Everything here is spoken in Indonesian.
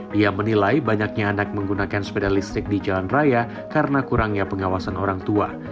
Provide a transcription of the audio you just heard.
dia menilai banyaknya anak menggunakan sepeda listrik di jalan raya karena kurangnya pengawasan orang tua